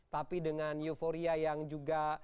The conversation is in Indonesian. tapi dengan euforia yang juga